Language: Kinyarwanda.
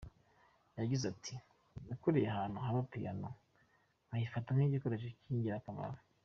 Yagize ati “ Nakuriye ahantu haba piano nkayifata nk’igikoresho cy’ingirakamaro.